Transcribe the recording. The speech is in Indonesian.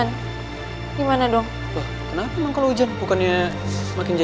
roman roman kau habuk sih man